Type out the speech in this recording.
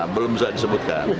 belum bisa disebutkan